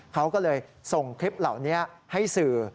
เขาก็เลยส่งคลิปเหล่านี้ให้สื่อ